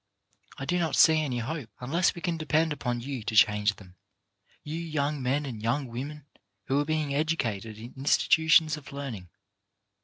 I do not see any hope unless we can depend upon you to change them, you young men and young women who are being educated in institu tions of learning.